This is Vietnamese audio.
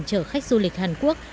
trở khách du lịch hàn quốc